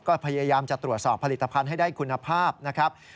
ก็พยายามจะตรวจสอบผลิตภัณฑ์ให้ได้คุณภาพนะครับ